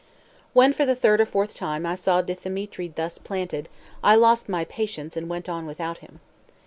When for the third or fourth time I saw Dthemetri thus planted, I lost my patience, and went on without him.